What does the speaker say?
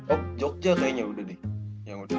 oh jogja kayaknya udah deh